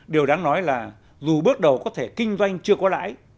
điều đáng nói là dù bước đầu có thể kinh doanh chưa có lãi